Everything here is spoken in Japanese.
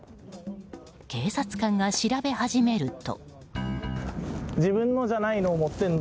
警察官が調べ始めると。